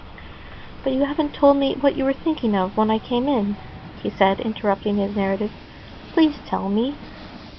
"But you haven't told me what you were thinking of when I came in," he said, interrupting his narrative; "please tell me!"